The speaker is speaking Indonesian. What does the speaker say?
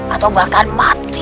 atau bahkan mati